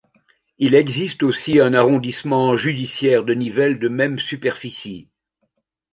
Il existe aussi un arrondissement judiciaire de Nivelles de même superficie.